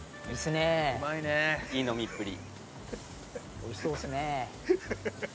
おいしそうですね。